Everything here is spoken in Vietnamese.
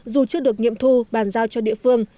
dù chưa được nghiệm thu bàn giao cho địa phương